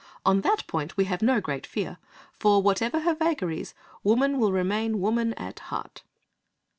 On that point we have no great fear, for, whatever her vagaries, woman will remain woman at heart."